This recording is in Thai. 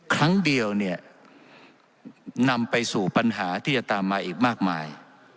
ครั้งเดียวเนี่ยนำไปสู่ปัญหาที่จะตามมาอีกมากมาย